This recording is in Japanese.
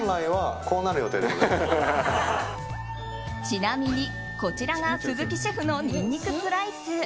ちなみに、こちらが鈴木シェフのニンニクスライス。